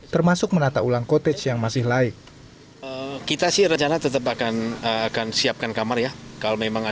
termasuk menata ulang kotej yang masih laik